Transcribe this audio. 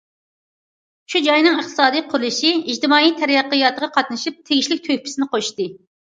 شۇ جاينىڭ ئىقتىسادىي قۇرۇلۇشى، ئىجتىمائىي تەرەققىياتىغا قاتنىشىپ تېگىشلىك تۆھپىسىنى قوشتى.